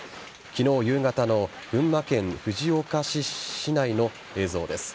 昨日夕方の群馬県藤岡市市内の映像です。